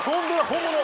本物！